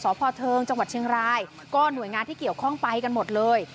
พเทิงจังหวัดเชียงรายก็หน่วยงานที่เกี่ยวข้องไปกันหมดเลย